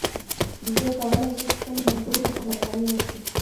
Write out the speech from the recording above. بیزو کولای شي خپلو ملګرو ته خبرداری ورکړي.